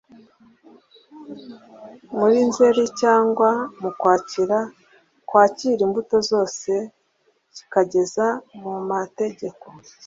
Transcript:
muri nzeri cyangwa mu kwakira kwakira imbuto zose kikageza mumategeko